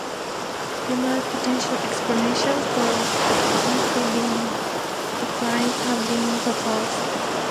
Numerous potential explanations for amphibian declines have been proposed.